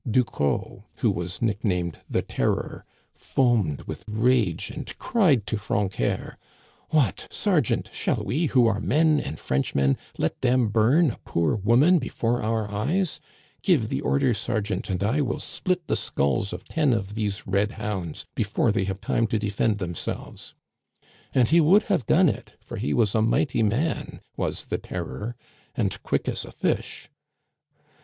Ducros, who was nicknamed the< Terror, foamed with rage and cried to Francœur :* What ! sergeant, shall we, who are men and Frenchmen, let them bum a poor woman before our eyes ? Give the order, sergeant, and I will split the skulls of ten of these red hounds before they have time to defend themselves.' And he would have done it, for he was a mighty man — was the Terror — and quick as a fish.